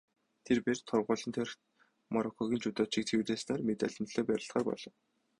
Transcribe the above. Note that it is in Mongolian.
Тэр бээр торгуулийн тойрогт Мороккогийн жүдочийг цэвэр ялснаар медалийн төлөө барилдахаар болов.